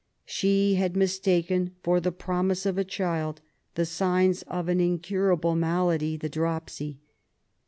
She had mistaken for the promise of a child the signs of an incurable malady, the dropsy.